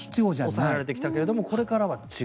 抑えられてきたけどもこれからは違う。